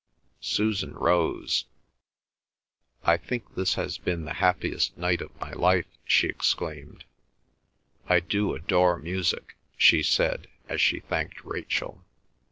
Susan rose. "I think this has been the happiest night of my life!" she exclaimed. "I do adore music," she said, as she thanked Rachel.